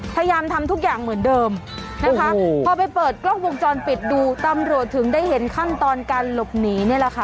พยายามทำทุกอย่างเหมือนเดิมนะคะพอไปเปิดกล้องวงจรปิดดูตำรวจถึงได้เห็นขั้นตอนการหลบหนีนี่แหละค่ะ